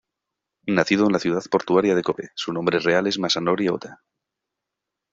Nacido en la ciudad portuaria de Kōbe, su nombre real es Masanori Ota.